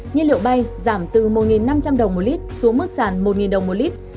nhiên liệu bay giảm từ một năm trăm linh đồng một lít xuống mức giảm một đồng một lít